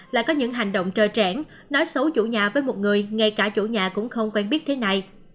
lại có những hành động trơ trẻ nói xấu chủ nhà với một người ngay cả chủ nhà cũng không quen biết thế này